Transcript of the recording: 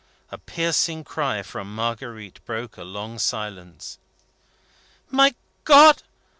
A piercing cry from Marguerite broke a long silence. "My God!